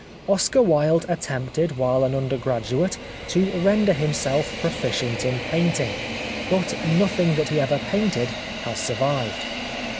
Oscar Wilde attempted while an under graduate to render himself proficient in painting, but nothing that he ever painted has survived.